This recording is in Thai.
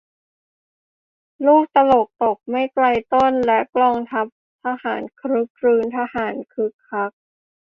ลูกตลกตกไม่ไกลต้น และกองพันทหารครึกครื้น ททหารคึกคัก